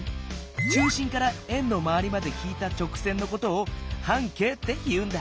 中心から円のまわりまで引いた直線のことを半径って言うんだ。